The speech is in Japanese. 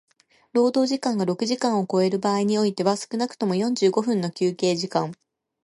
労働時間が六時間を超える場合においては少くとも四十五分の休憩時間